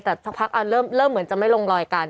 แต่สักพักเริ่มเหมือนจะไม่ลงรอยกัน